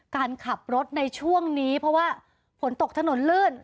การขับรถในช่วงนี้เพราะว่าฝนตกถนนลื่น